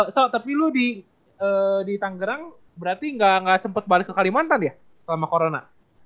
so tapi lu di tanggerang berarti gak sempet balik ke kalimantan ya selama corona